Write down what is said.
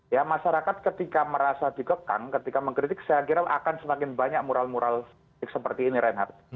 ya masyarakat ketika merasa dikekang ketika mengkritik saya kira akan semakin banyak mural mural seperti ini reinhardt